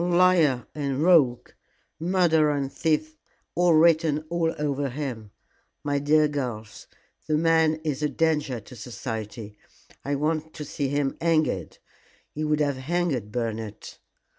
Liar and rogue, murderer and thief are written all over him. My dear girls, the man is a danger to society. I want to see him hanged. He would have hanged Bernard."